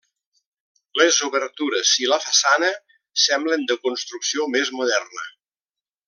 Les obertures i la façana semblen de construcció més moderna.